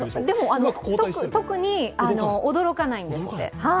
でも、特に驚かないんですって。